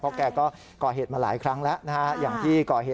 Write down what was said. เพราะแกก็ก่อเหตุมาหลายครั้งแล้วนะฮะ